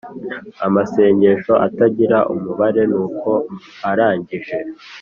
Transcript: amasengesho atagira umubare nuko arangije